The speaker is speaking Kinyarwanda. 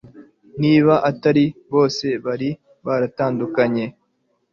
niba atari bose, bari baratandukanye